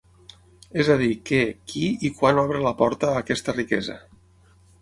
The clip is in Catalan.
És a dir, què, qui i quan obre la porta a aquesta riquesa.